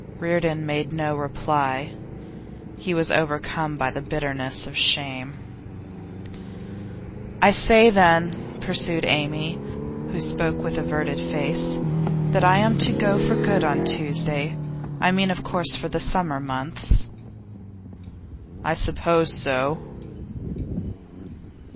Reardon made no reply. He was overcome by the bitterness of shame. 'I shall say, then,' pursued Amy, who spoke with averted face, 'that I am to go there for good on Tuesday? I mean, of course, for the summer months.' 'I suppose so.